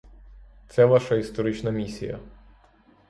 Це ваша історична місія.